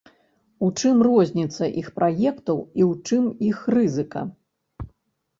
У чым розніца іх праектаў і ў чым іх рызыка?